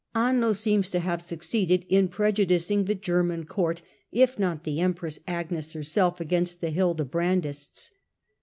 Anno seems to have succeeded in prejudicing the German court, if not the empress Agnes herself, against the Hildebrandists.